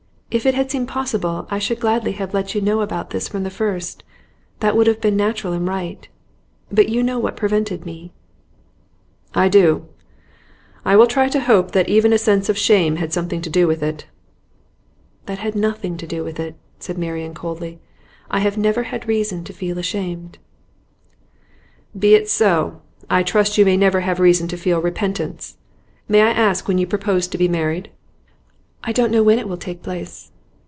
If it had seemed possible I should gladly have let you know about this from the first. That would have been natural and right. But you know what prevented me.' 'I do. I will try to hope that even a sense of shame had something to do with it.' 'That had nothing to do with it,' said Marian, coldly. 'I have never had reason to feel ashamed.' 'Be it so. I trust you may never have reason to feel repentance. May I ask when you propose to be married?' 'I don't know when it will take place.